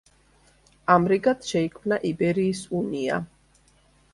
ამრიგად შეიქმნა იბერიის უნია.